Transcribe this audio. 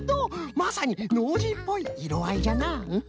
まさにノージーっぽいいろあいじゃなフフフ。